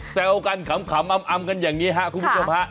แซวกันขำอำกันอย่างนี้ครับคุณผู้ชมฮะ